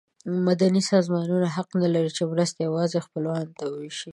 مدني سازمانونه حق نه لري چې مرستې یوازې خپلوانو ته وویشي.